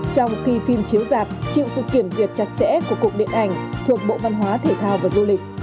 trong khi phim chiếu dạp chịu sự kiểm việt chặt chẽ của cục điện ảnh thuộc bộ văn hóa thể thao và du lịch